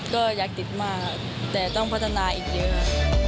ก็อยากติดมากแต่ต้องพัฒนาอีกเยอะ